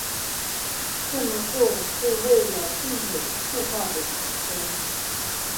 这么做是为了避免负号的产生。